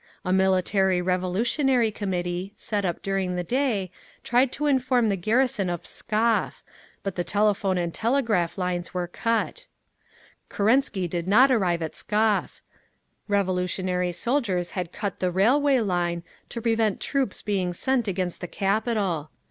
A Military Revolutionary Committee, set up during the day, tried to inform the garrison of Pskov; but the telephone and telegraph lines were cut…. Kerensky did not arrive at Pskov. Revolutionary soldiers had cut the railway line, to prevent troops being sent against the capital.